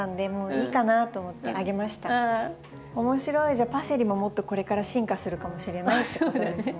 じゃあパセリももっとこれから進化するかもしれないってことですね。